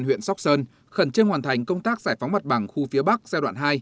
huyện sóc sơn khẩn trương hoàn thành công tác giải phóng mặt bằng khu phía bắc giai đoạn hai